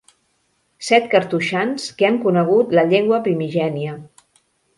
Set cartoixans que han conegut la llengua primigènia.